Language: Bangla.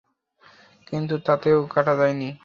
কিন্তু তাতেও কাটা যায়নি।